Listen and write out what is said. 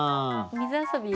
水遊び。